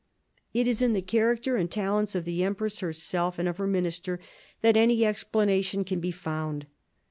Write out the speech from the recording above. It is in the character and talents of the empress herself, and of her minister, that any explanation can be found.